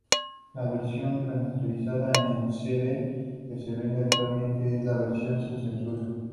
La versión remasterizada en cd que se vende actualmente es la versión sin censurar.